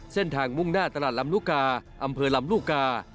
เส้นทางมุ่งหน้าตลาดลำลูกกาอำเภอลำลูกกา